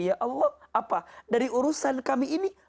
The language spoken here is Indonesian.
ya allah apa dari urusan kami ini